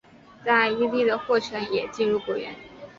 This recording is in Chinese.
在伊犁的霍城也进入果园。